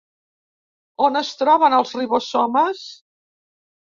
On es troben els ribosomes?